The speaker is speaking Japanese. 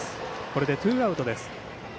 これでツーアウトです。